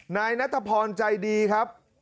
นายนัทพรใจดีครับ